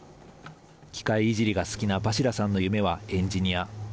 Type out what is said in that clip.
機械いじりが好きなバシラさんの夢はエンジニア。